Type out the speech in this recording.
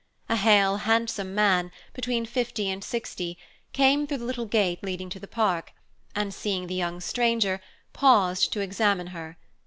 A hale, handsome man, between fifty and sixty, came through the little gate leading to the park, and, seeing the young stranger, paused to examine her.